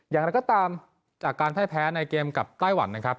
อย่างไรก็ตามจากการพ่ายแพ้ในเกมกับไต้หวันนะครับ